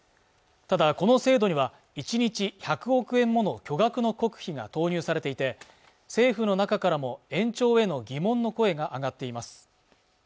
ただこの制度には１日１００億円もの巨額の国費が投入されていて政府の中からも延長への疑問の声が上がっています